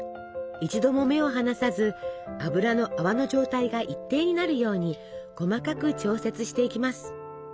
一度も目を離さず油の泡の状態が一定になるように細かく調節していきます。